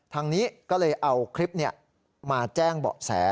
ทางนี้ก็เลยเอาคลิปมาแจ้งเบาะแส